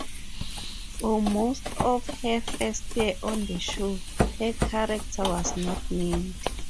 For most of her first year on the show, her character was not named.